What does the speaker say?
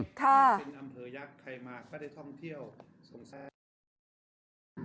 นี่เป็นอำเภยักษ์ใครมาก็ได้ท่องเที่ยว